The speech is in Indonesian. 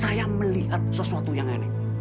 saya melihat sesuatu yang aneh